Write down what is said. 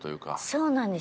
そうなんですよ。